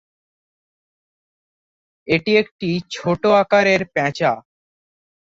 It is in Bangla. এটি একটি ছোটো আকারের পেঁচা।